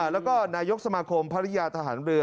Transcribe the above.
แล้วก็นายกสมาคมภรรยาทหารเรือ